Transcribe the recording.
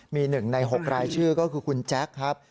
มี๑ใน๖รายชื่อก็คือคุณแจ๊คครับ